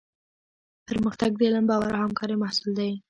پرمختګ د علم، باور او همکارۍ محصول دی.